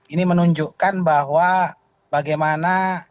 ini menunjukkan bahwa bagaimana